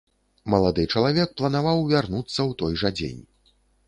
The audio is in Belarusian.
Малады чалавек планаваў вярнуцца ў той жа дзень.